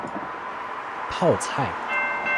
泡菜